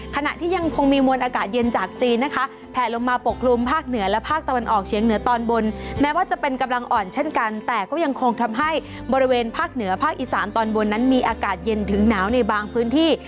ขณะที่ยังคงมีมวลอากาศเย็นจากจีนนะคะแผลลงมาปกคลุมภาคเหนือและภาคตะวันออกเฉียงเหนือตอนบนแม้ว่าจะเป็นกำลังอ่อนเช่นกันแต่ก็ยังคงทำให้บริเวณภาคเหนือภาคอีสานตอนบนนั้นมีอากาศเย็นถึงหนาวในบางพื้นที่